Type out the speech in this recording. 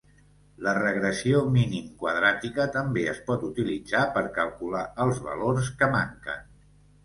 La regressió mínim-quadràtica també es pot utilitzar per calcular els valors que manquen.